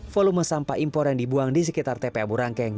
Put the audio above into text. volume sampah impor yang dibuang di sekitar tpa burangkeng